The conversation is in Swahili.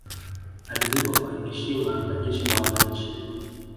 alizikwa kwa heshima na jeshi la wananchi